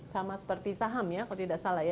sama seperti saham ya kalau tidak salah ya